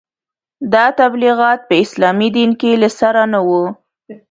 دا تبلیغات په اسلامي دین کې له سره نه وو.